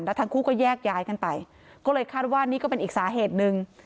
แล้วทั้งคู่ก็แยกย้ายกันไปก็เลยคาดว่านี่ก็เป็นอีกสาเหตุหนึ่ง